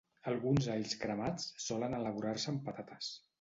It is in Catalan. Alguns alls cremats solen elaborar-se amb patates